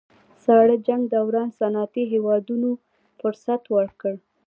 ساړه جنګ دوران صنعتي هېوادونو فرصت ورکړ